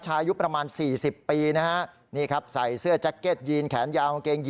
ชายุประมาณ๔๐ปีนะฮะ